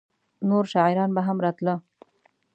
نور شاعران به هم راتله؟